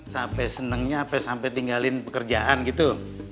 sampai senangnya sampai tinggalin pekerjaan gitu